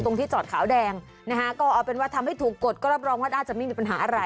ที่จอดขาวแดงนะฮะก็เอาเป็นว่าทำให้ถูกกดก็รับรองว่าน่าจะไม่มีปัญหาอะไร